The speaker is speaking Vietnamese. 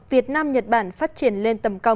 việt nam nhật bản phát triển lên tầm cao